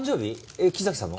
えっ木崎さんの？